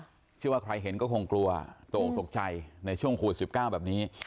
สิ่งที่กว่าใครเห็นก็คงกลัวตกตกใจในช่วงขูดสี่ไก้แบบนี้